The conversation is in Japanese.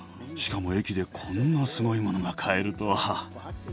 しかも駅でこんなすごいものが買えるとは。